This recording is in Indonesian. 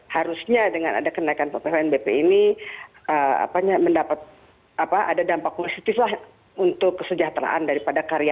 harusnya dengan ada kenaikan ppnbp ini mendapat ada dampak positif lah untuk kesejahteraan daripada karya